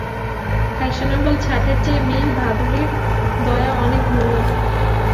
Fashionable ছাঁটের চেয়ে miss ভাদুড়ির দয়া অনেক মূল্যবান।